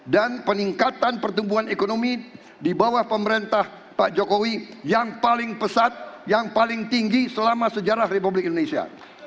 dan peningkatan pertumbuhan ekonomi di bawah pemerintah pak jokowi yang paling pesat yang paling tinggi selama sejarah republik indonesia